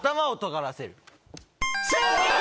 正解！